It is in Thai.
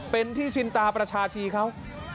เป็นที่ชินตาประชาชีเขา